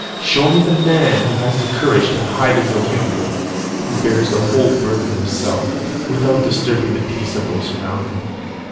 Show me the man who has the courage to hide his ill humour, who bears the whole burden himself, without disturbing the peace of those around him.